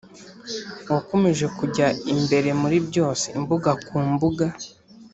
wakomeje kujya imbere muri byose, imbuga ku mbuga.